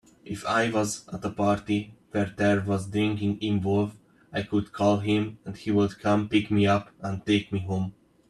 If I was at a party where there was drinking involved, I could call him and he would come pick me up and take me home.